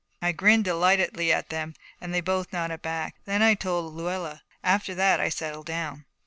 I grinned delightedly at them, and they both nodded back. Then I told Luella. After that I settled down.